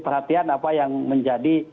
perhatian apa yang menjadi